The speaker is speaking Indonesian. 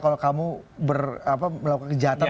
kalau kamu melakukan kejahatan